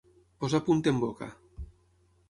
Posar punt en boca.